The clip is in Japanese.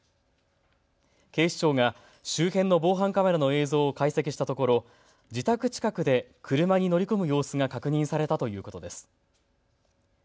警視庁が周辺の防犯カメラの映像を解析したところ自宅近くで車に乗り込む様子が確認されたということです。